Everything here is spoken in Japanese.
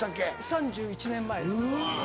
３１年前です。